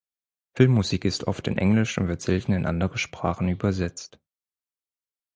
Filmmusik ist oft in Englisch und wird selten in andere Sprachen übersetzt.